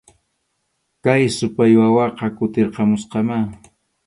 Kay supay wawaqa kutirqamusqamá